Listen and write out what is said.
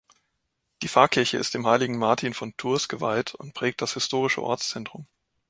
Die Pfarrkirche ist dem Heiligen Martin von Tours geweiht und prägt das historische Ortszentrum.